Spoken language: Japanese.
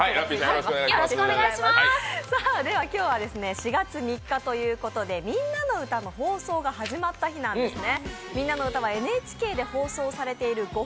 今日は４月３日ということで「みんなのうた」の放送が始まった日なんですね。